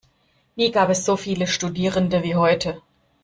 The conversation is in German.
Nie gab es so viele Studierende wie heute.